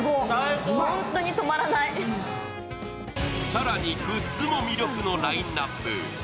更にグッズも魅力のラインナップ。